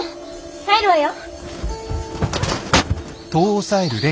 入るわよ。